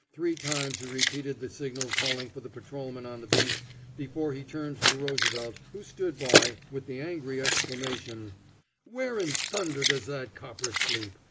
Three times he repeated the signal calling for the patrolman on the beat before he turned to Roosevelt, who stood by, with the angry exclamation: "Where in thunder does that copper sleep?